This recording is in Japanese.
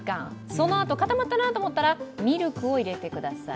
そのあと固まったなと思ったらミルクを入れてください。